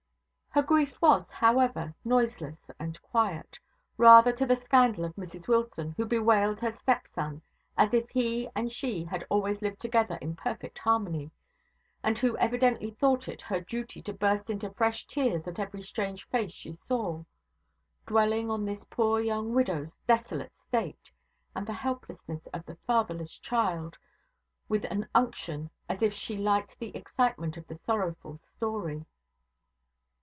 Her grief was, however, noiseless and quiet rather to the scandal of Mrs Wilson who bewailed her stepson as if he and she had always lived together in perfect harmony, and who evidently thought it her duty to burst into fresh tears at every strange face she saw; dwelling on his poor young widow's desolate state, and the helplessness of the fatherless child, with an unction as if she liked the excitement of the sorrowful story.